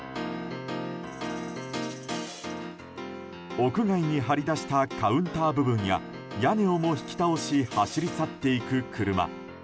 屋外に張り出したカウンター部分や屋根をも引き倒し走り去っていく車。